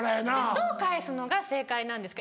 どう返すのが正解なんですか？